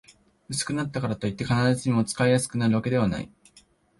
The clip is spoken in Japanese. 薄くなったからといって、必ずしも使いやすくなるわけではない